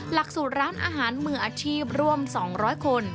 หลักสูตรร้านอาหารมืออาชีพร่วม๒๐๐คน